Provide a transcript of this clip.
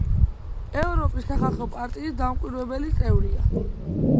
ევროპის სახალხო პარტიის დამკვირვებელი წევრია.